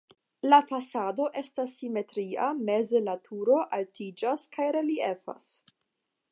La fasado estas simetria, meze la turo altiĝas kaj reliefas.